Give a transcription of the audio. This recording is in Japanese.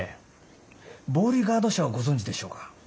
ボーリガード社をご存じでしょうか？